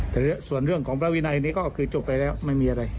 แต่ส่วนเรื่องของพระวินัยนี้ก็คือจบไปแล้วไม่มีอะไร